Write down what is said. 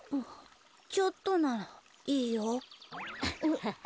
ちょっとならいいよ。